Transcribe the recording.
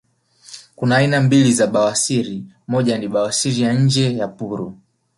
kuna aina mbili za bawasiri moja ni bawasiri ya nje ya puru